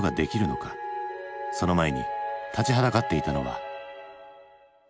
その前に立ちはだかっていたのは。